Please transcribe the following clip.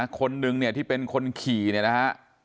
คนนึงเนี่ยที่เป็นคนขี่เนี่ยนะฮะ